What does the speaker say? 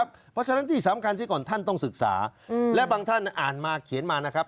เพราะฉะนั้นที่สำคัญซิก่อนท่านต้องศึกษาและบางท่านอ่านมาเขียนมานะครับ